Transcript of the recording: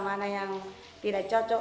mana yang tidak cocok